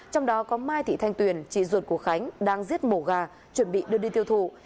trong đó có mai thị thanh tuyền chị ruột của khánh đang giết mổ gà chuẩn bị đưa đi tiêu thụ